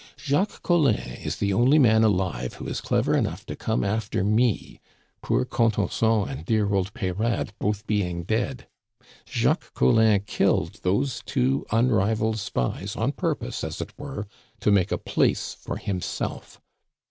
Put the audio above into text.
Jacques Collin is the only man alive who is clever enough to come after me, poor Contenson and dear old Peyrade both being dead! Jacques Collin killed those two unrivaled spies on purpose, as it were, to make a place for himself.